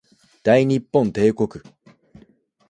大日本帝国